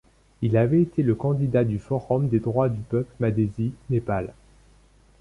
Il avait été le candidat du Forum des droits du peuple madhesi, Népal.